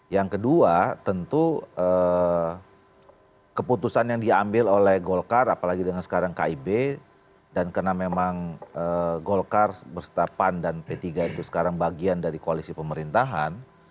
yang kedua tentu keputusan yang diambil oleh golkar apalagi dengan sekarang kib dan karena memang golkar bersetapan dan p tiga itu sekarang bagian dari koalisi pemerintahan